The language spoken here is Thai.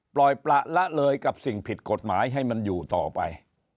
ปล่อยประละเลยกับสิ่งผิดกฎหมายให้มันอยู่ต่อไป